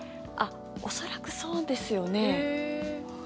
恐らくそうですよね。